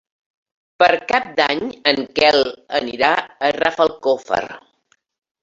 Per Cap d'Any en Quel anirà a Rafelcofer.